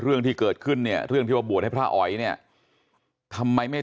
เรื่องที่เกิดขึ้นเนี่ยเรื่องที่ว่าบวชให้พระอ๋อยเนี่ยทำไมไม่